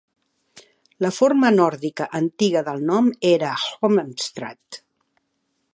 La forma nòrdica antiga del nom era Holmastrand.